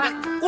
ganti baju ya